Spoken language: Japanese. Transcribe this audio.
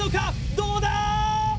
どうだー！？